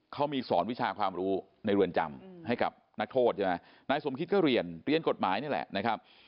เขามีสอนวิชาความรู้ในเรือนจำให้กับนักโทษใช่ไหมนายสมคิดก็เรียนเรียนกฎหมายนี่แหละนะครับ